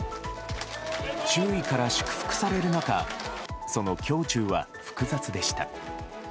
周囲から祝福される中、その胸中は複雑でした。